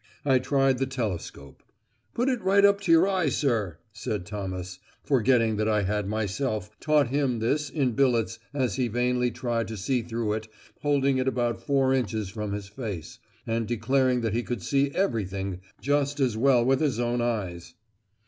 I tried the telescope. "Put it right up to your eye, sir," said Thomas, forgetting that I had myself taught him this in billets as he vainly tried to see through it holding it about four inches from his face, and declaring that he could see everything just as well with his own eyes!